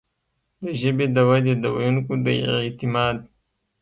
د ژبې د ودې، د ویونکو د اعتماد